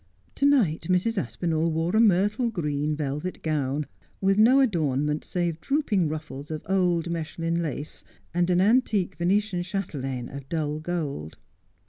To night Mrs. Aspinall wore a myrtle green velvet gown, with no adornment save drooping ruffles of old Mechlin lace, and an antique Venetian chatelaine of dull gold.